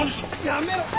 やめろ！